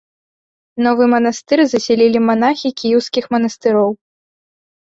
Новы манастыр засялілі манахі кіеўскіх манастыроў.